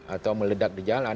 atau meledak di jalan